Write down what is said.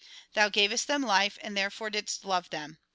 Thou gavest them life, and therefore didst love them.